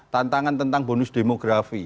tantangan tentang bonus demografi